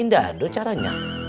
indah dua caranya